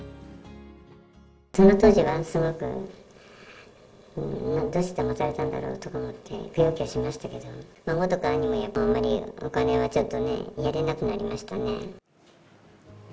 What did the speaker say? その当時は、すごく、どうしてもだまされたんだろうと思って、くよくよしましたけど、孫とかにもあんまりお金をちょっとね、やれなくなりましたね。